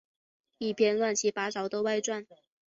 一篇乱七八糟的外传